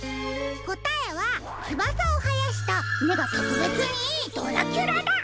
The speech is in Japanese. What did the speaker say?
こたえはつばさをはやしためがとくべつにいいドラキュラだ。